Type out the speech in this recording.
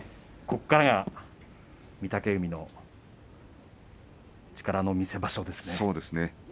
ここからが御嶽海の力の見せ場所ですね。